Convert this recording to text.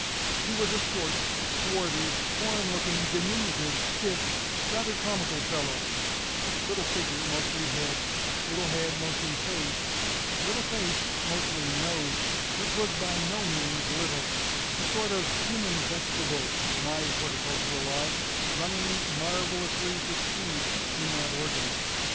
He was a short, swarthy, foreign looking, diminutive, stiff, rather comical fellow little figure mostly head, little head mostly face, little face mostly nose, which was by no means little a sort of human vegetable (to my horticultural eye) running marvelously to seed in that organ.